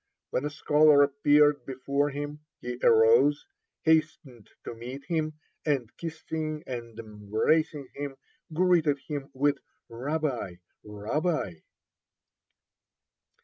When a scholar appeared before him, he arose, hastened to meet him, and kissing and embracing him, greeted him with "Rabbi, Rabbi!"